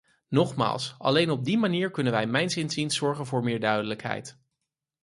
Nogmaals, alleen op die manier kunnen wij mijns inziens zorgen voor meer duidelijkheid.